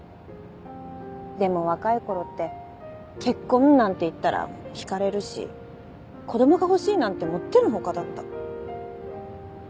でも若い頃って結婚なんて言ったら引かれるし子供が欲しいなんてもっての外だった。